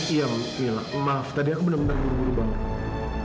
iya maaf tadi aku benar benar buru buru banget